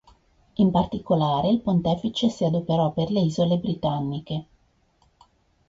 In particolare, il pontefice si adoperò per le Isole britanniche.